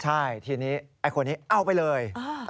ใช่ทีนี้ไอ้คนนี้เอาไปเลย